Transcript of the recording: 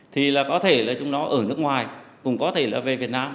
thì là có thể là chúng nó ở nước ngoài cũng có thể là về việt nam